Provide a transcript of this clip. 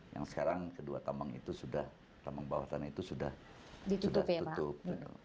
yang sekarang kedua tambang itu sudah tambang bawah tanah itu sudah tutup